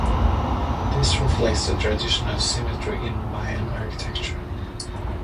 This reflects the tradition of symmetry in Mayan architecture.